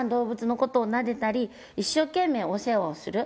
のことをなでたり一生懸命お世話をする。